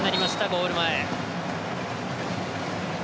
ゴール前。